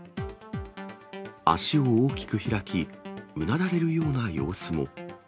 足を大きく開き、うなだれるような様子も。